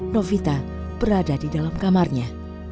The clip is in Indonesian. novita berada di dalam kamarnya